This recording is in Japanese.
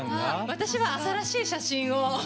私は朝らしい写真を。